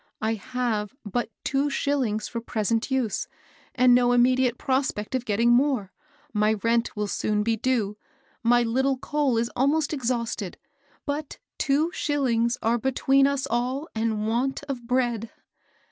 I have but two shillings for present use and no immediate prospect of getting more ; my rent will soon be due ; my little coal is almost exhausted ; but two shillings are between us all and want of bread